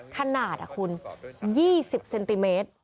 ขนาดคุณ๒๐เซนติเมตร